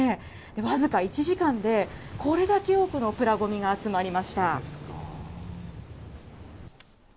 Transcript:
僅か１時間でこれだけ多くのプラごみが集まりました。